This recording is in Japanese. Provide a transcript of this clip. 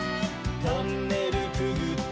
「トンネルくぐって」